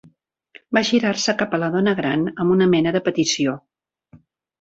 Va girar-se cap a la dona gran amb una mena de petició.